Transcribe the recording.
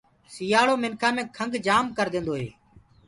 سيٚآݪو منکآ مي کنٚگ جُڪآم ڪرديندو هي۔